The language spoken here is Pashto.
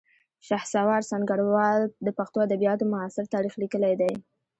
شهسوار سنګروال د پښتو ادبیاتو معاصر تاریخ لیکلی دی